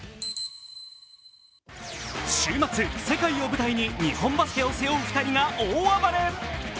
週末、世界を舞台に日本バスケを背負う２人が大暴れ。